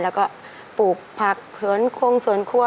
แล้วก็ปลูกผักสวนคงสวนครัว